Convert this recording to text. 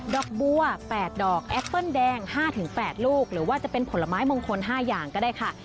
อกบัว๘ดอกแอปเปิ้ลแดง๕๘ลูกหรือว่าจะเป็นผลไม้มงคล๕อย่างก็ได้ค่ะ